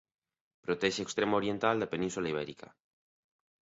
Protexe o extremo oriental da Península Ibérica.